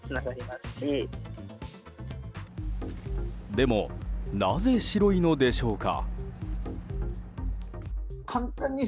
でも、なぜ白いのでしょうか。